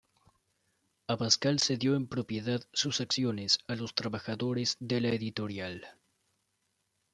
Abascal cedió en propiedad sus acciones a los trabajadores de la editorial.